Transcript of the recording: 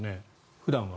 普段は。